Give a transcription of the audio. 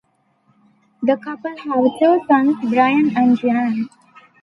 The couple have two sons, Brian and Gian.